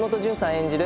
演じる